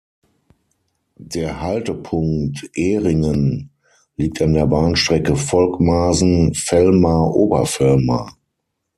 Der Haltepunkt "Ehringen" liegt an der Bahnstrecke Volkmarsen–Vellmar-Obervellmar.